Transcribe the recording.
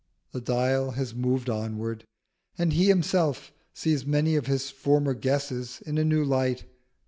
The dial has moved onward, and he himself sees many of his former guesses in a new light.